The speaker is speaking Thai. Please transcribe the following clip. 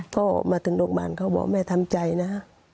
พ่อมาถึงโรงพยาบาลเขาบอกแม่ทำใจนะ